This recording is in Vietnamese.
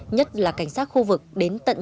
nhất là cảnh sát khu vực đến tận